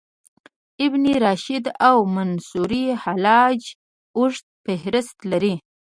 ابن رشد او منصورحلاج اوږد فهرست لري.